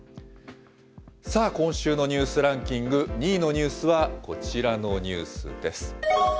さあ、今週のニュースランキング、２位のニュースはこちらのニュースです。